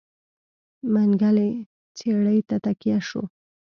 منګلی څېړۍ ته تکيه شو.